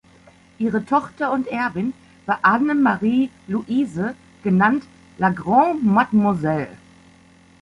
Ihre Tochter und Erbin war Anne Marie Louise, genannt "La Grande Mademoiselle".